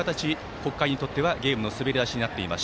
北海にとってはゲームの滑り出しになっています。